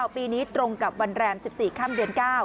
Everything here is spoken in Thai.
ปีนี้ตรงกับวันแรม๑๔ค่ำเดือน๙